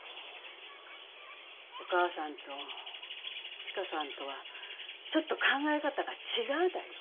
お母さんと千佳さんとはちょっと考え方が違うだよ。